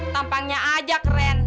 tampaknya aja keren